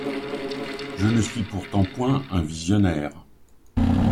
Je ne suis pourtant point un visionnaire.